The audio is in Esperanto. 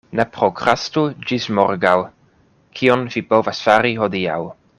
Ne prokrastu ĝis morgaŭ, kion vi povas fari hodiaŭ.